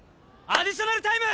アディショナルタイム！